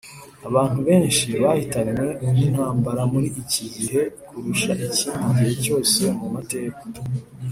Abantu benshi bahitanywe n intambara muri iki gihe kurusha ikindi gihe cyose mu mateka